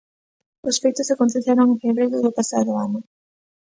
Os feitos aconteceron en febreiro do pasado ano.